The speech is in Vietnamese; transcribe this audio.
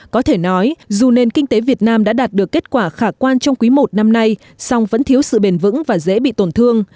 có thể nói dù nền kinh tế việt nam đã đạt được kết quả khả quan trong quý i năm nay song vẫn thiếu sự bền vững và dễ bị tổn thương